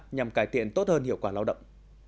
nhằm cải thiện tốt hơn hiệu quả lao động